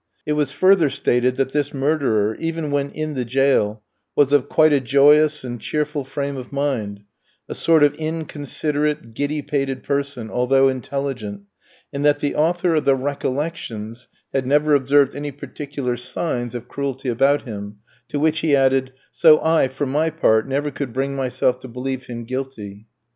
It was further stated that this murderer, even when in the jail, was of quite a joyous and cheerful frame of mind, a sort of inconsiderate giddy pated person, although intelligent, and that the author of the 'Recollections' had never observed any particular signs of cruelty about him, to which he added, 'So I, for my part, never could bring myself to believe him guilty.'